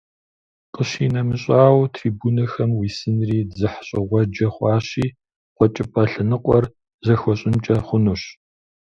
КъищынэмыщӀауэ, трибунэхэм уисынри дзыхьщӀыгъуэджэ хъуащи, «КъуэкӀыпӀэ» лъэныкъуэр зэхуащӀынкӀэ хъунущ.